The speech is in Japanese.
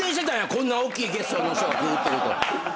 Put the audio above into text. こんなおっきいゲストの人が来るっていうことを。